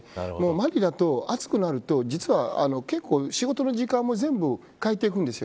マリだと暑くなると実は結構仕事の時間も全部、変えていくんです。